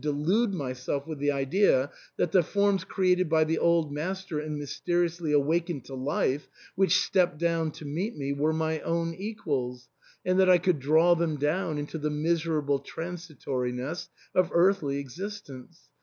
359 delude myself with the idea that the forms, created by the old master and mysteriously awakened to life, which stepped down to meet me, were my own equals, and that I could draw them down into the miserable transitoriness of earthly existence.